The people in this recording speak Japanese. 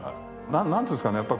何ていうんですかね？